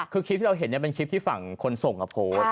คือคลิปที่เราเห็นเป็นคลิปที่ฝั่งคนส่งมาโพสต์